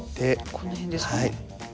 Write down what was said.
この辺ですか。